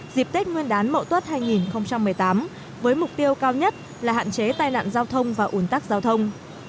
dịp tết nguyên đán mậu tuất hai nghìn một mươi tám với mục tiêu cao nhất là hạn chế tai nạn giao thông và ủn tắc giao thông